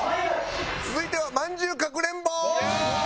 続いてはまんじゅうかくれんぼ！